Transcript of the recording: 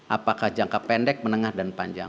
apakah jangka pendek menengah dan panjang